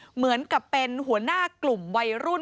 เหมือนกับเป็นหัวหน้ากลุ่มวัยรุ่น